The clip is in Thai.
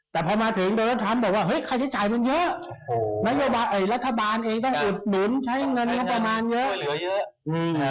แต่พอพอมาถึงโดยรตัรมบอกว่าเฮ้ยใครจะจ่ายมันเยอะนโอะคะ